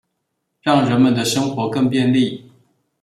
讓人們的生活更便利